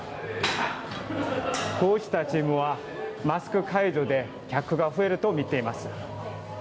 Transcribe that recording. こうしたジムはマスク解除で客が増えるとみていてます。